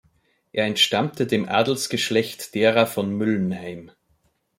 Er entstammte dem Adelsgeschlecht derer von Müllenheim.